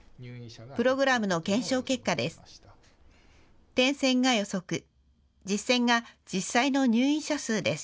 プログラムの検証結果です。